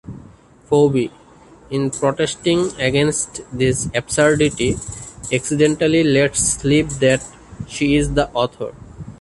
Phoebe, in protesting against this absurdity, accidentally lets slip that she is the author.